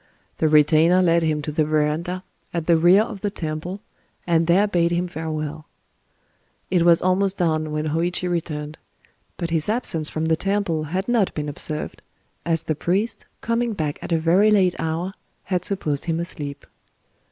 The retainer led him to the verandah at the rear of the temple, and there bade him farewell. It was almost dawn when Hōïchi returned; but his absence from the temple had not been observed,—as the priest, coming back at a very late hour, had supposed him asleep.